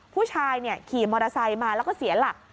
ผู้ชายขี่มอเตอร์ไซค์มาแล้วก็เสียหลัก